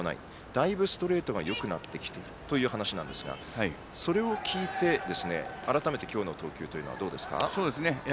だいぶストレートがよくなってきたという話ですがそれを聞いて改めて今日の投球はどうですか？